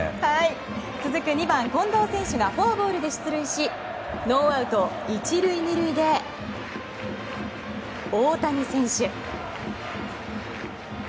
続く２番、近藤選手がフォアボールで出塁しノーアウト１塁２塁で大谷選手。